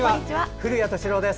古谷敏郎です。